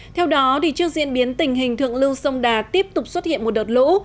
theo đó trước diễn biến tình hình thượng lưu sông đà tiếp tục xuất hiện một đợt lũ